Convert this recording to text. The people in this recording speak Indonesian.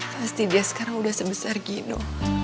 pasti dia sekarang udah sebesar gini